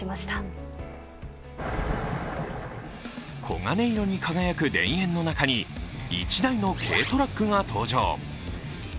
黄金色に輝く田園の中に１台の軽トラックが登場。